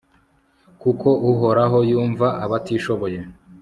kuko uhoraho yumva abatishoboye